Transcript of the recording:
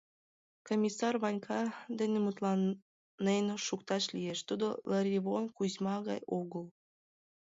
Комиссар Ванька дене мутланен шукташ лиеш, тудо Лыривон Кузьма гай огыл.